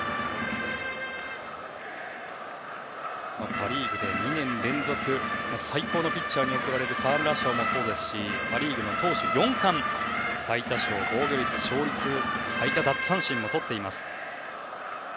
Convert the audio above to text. パ・リーグで２年連続最高のピッチャーに贈られる沢村賞もそうですしパ・リーグの投手４冠最多勝、防御率、勝率最多奪三振もとっています。